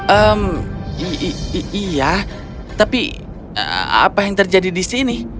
ehm iya tapi apa yang terjadi di sini